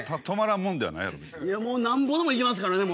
いやもうなんぼでもいけますからね。